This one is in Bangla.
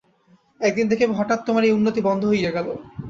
একদিন দেখিবে হঠাৎ তোমার এই উন্নতি বন্ধ হইয়া গেল।